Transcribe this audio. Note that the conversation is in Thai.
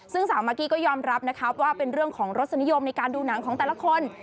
ซึ่งสาวมากกี้ก็ยอมรับนะครับว่าเป็นเรื่องของรสนิยมในการดูหนังของแต่ละคน